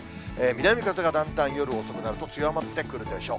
南風がだんだん夜遅くなると、強まってくるでしょう。